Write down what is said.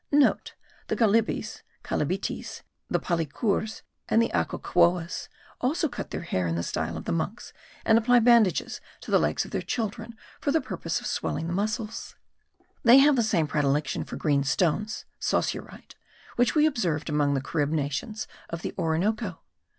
(* The Galibis (Calibitis), the Palicours, and the Acoquouas, also cut their hair in the style of the monks; and apply bandages to the legs of their children for the purpose of swelling the muscles. They have the same predilection for green stones (saussurite) which we observed among the Carib nations of the Orinoco.